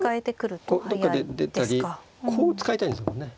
こうどっかで出たりこう使いたいんですもんね。